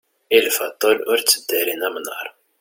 i lbaṭel ur tteddarin amnaṛ